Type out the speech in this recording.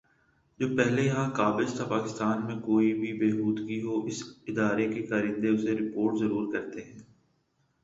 جو پہلے یہاں قابض تھا پاکستان میں کوئی بھی بے ہودگی ہو اس ادارے کے کارندے اسے رپورٹ ضرور کرتے ہیں